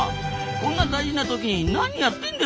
こんな大事なときに何やってんですか！